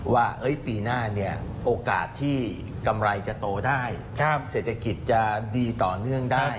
ว่าปีหน้าเนี่ยโอกาสที่กำไรจะโตได้เศรษฐกิจจะดีต่อเนื่องได้